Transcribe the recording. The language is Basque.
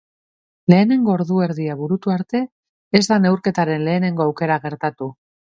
Lehenengo ordu erdia burutu arte, ez da neurketaren lehenengo aukera gertatu.